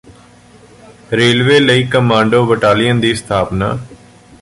ਰੇਲਵੇਲਈ commando battalion ਦੀ ਸਥਾਪਨਾ